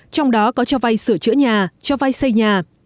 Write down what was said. trong đó có cho vay sửa chữa nhà cho vay xây nhà